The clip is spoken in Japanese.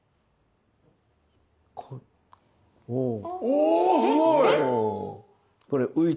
おすごい！